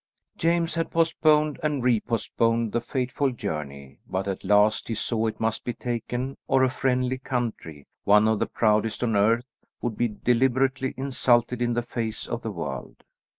James had postponed and re postponed the fateful journey; but at last he saw it must be taken, or a friendly country, one of the proudest on earth, would be deliberately insulted in the face of the world.